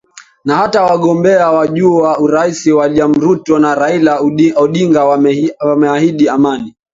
Na hata wagombea wa juu wa urais William Ruto na Raila Odinga wameahidi amani.